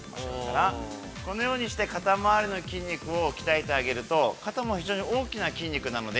このようにして、肩回りの筋肉を鍛えてあげると、肩も非常に大きな筋肉なので。